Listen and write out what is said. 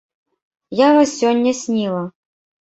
Я вас сёння сніла.